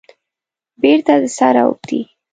بیرته د سره اوبدي